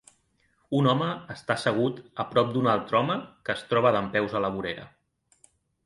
Un home està assegut a prop d'un altre home que es troba dempeus a la vorera.